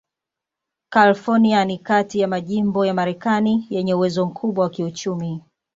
California ni kati ya majimbo ya Marekani yenye uwezo mkubwa wa kiuchumi.